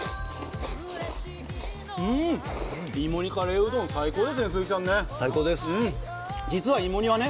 うーん、芋煮カレーうどん最高ですね。